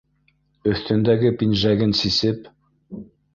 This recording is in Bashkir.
Өҫтөндәге пинжәген сисеп